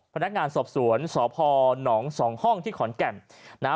พนักงานสอบสวนสพหนอง๒ห้องที่ขอนแก่ม